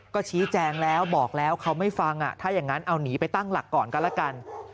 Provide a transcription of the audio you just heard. ก็ชี้แจงแล้วบอกแล้วเขาไม่ฟังถ้าอย่างนั้นเอาหนีไปตั้งหลักก่อนก็แล้วกัน